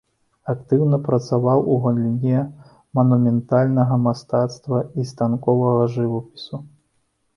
Актыўна працаваў у галіне манументальнага мастацтва і станковага жывапісу.